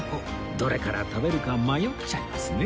どれから食べるか迷っちゃいますね